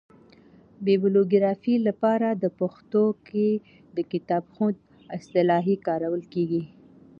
بیبلوګرافي له پاره په پښتو کښي دکتابښود اصطلاح کارول کیږي.